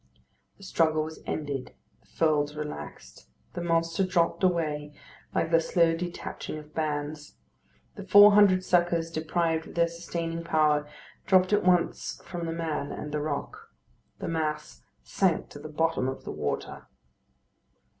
The struggle was ended. The folds relaxed. The monster dropped away, like the slow detaching of bands. The four hundred suckers, deprived of their sustaining power, dropped at once from the man and the rock. The mass sank to the bottom of the water.